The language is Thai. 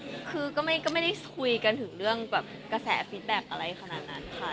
คือก็ไม่ได้คุยกันถึงเรื่องแบบกระแสฟิตแบ็คอะไรขนาดนั้นค่ะ